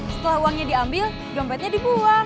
setelah uangnya diambil dompetnya dibuang